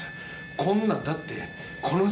こんなんだって。